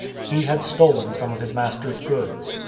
He had stolen some of his master's goods.